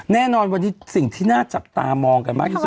แน่นอนวันนี้สิ่งที่น่าจับตามองกันมากที่สุด